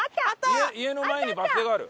家の前にバス停がある。